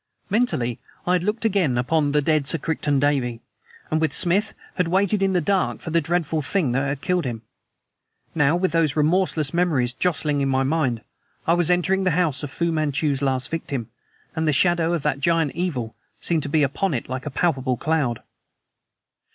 Mentally, I had looked again upon the dead Sir Crichton Davey, and with Smith had waited in the dark for the dreadful thing that had killed him. Now, with those remorseless memories jostling in my mind, I was entering the house of Fu Manchu's last victim, and the shadow of that giant evil seemed to be upon it like a palpable cloud.